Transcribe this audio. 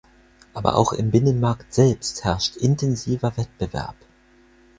Aber auch im Binnenmarkt selbst herrscht intensiver Wettbewerb.